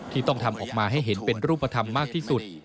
ที่ต้องทำออกมาให้เห็นเป็นรูปธรรมมากที่สุด